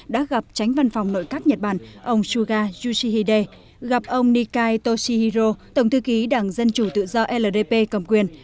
đã gặp tránh văn phòng nội các nhật bản ông suga yoshihide gặp ông nikai toshihiro tổng thư ký đảng dân chủ tự do ldp cầm quyền